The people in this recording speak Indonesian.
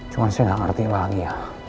cuma saya gak ngerti lagi ya